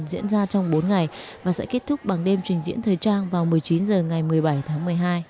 diễn ra trong bốn ngày và sẽ kết thúc bằng đêm trình diễn thời trang vào một mươi chín h ngày một mươi bảy tháng một mươi hai